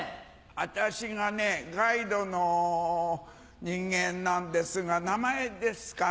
私がねガイドの人間なんですが名前ですか？